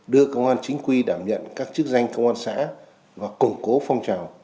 đưa công an chính quy đảm nhận các chức danh công an xã và củng cố phong trào